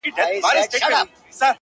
o خر نه دئ، کچر دئ، په پوري د خره سر دئ.